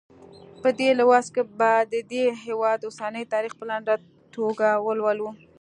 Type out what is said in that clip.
په دې لوست کې به د دې هېواد اوسنی تاریخ په لنډه توګه ولولو.